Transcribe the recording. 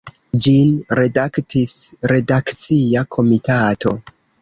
Ĝin redaktis redakcia komitato.